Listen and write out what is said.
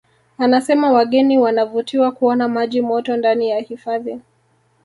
Anasema wageni wanavutiwa kuona maji moto ndani ya hifadhi